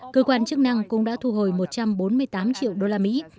cơ quan chức năng cũng đã thu hồi một trăm bốn mươi tám triệu đô la mỹ